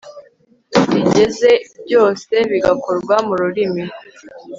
rigeze byose bigakorwa mu rurimi